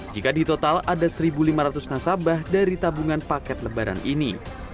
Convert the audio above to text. jika di total ada satu lima ratus nasabah dari tabungan paket lebaran ini